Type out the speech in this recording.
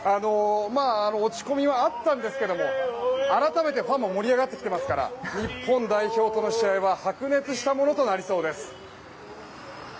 落ち込みはあったんですが改めてファンも盛り上がってきてますから日本代表との試合は白熱したものとなりそうです。